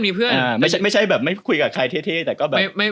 ไม่ใช่แบบไม่คุยกับใครเท่